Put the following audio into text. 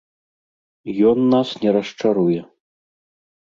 Ён нас не расчаруе.